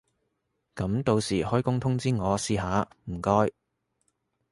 噉到時開工通知我試下唔該